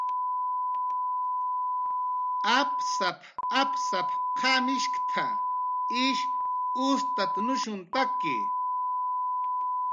"Apsap"" apsap"" qamishkt"" ish ustatnushuntaki"